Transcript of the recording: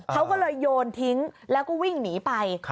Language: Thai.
เขาก็เลยโยนทิ้งแล้วก็วิ่งหนีไป